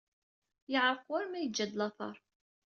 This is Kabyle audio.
Yeɛreq war ma yejja-d lateṛ.